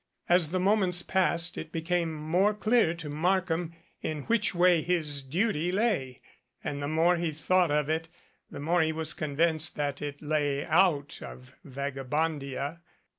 As the mo ments passed it became more clear to Markham in which way his duty lay and the more he thought of it, the more he was convinced that it lay out of Vagabondia.